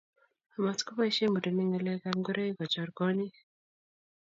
amatkoboisie murenik ng'alekab ngoroik kochoor kwonyik